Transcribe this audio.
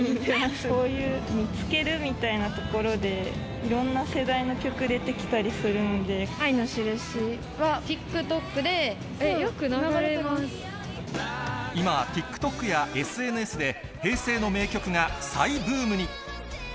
こういう、見つけるみたいなところで、いろんな世代の曲、出てき愛のしるしはＴｉｋＴｏｋで今、ＴｉｋＴｏｋやＳＮＳで、平成の名曲が再ブームに。